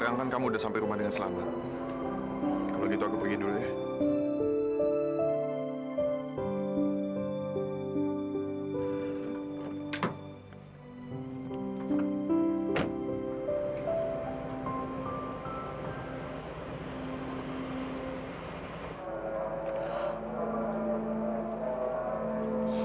yaudah sekarang kan kamu sudah sampai rumah dengan selamat kalau gitu aku pergi dulu ya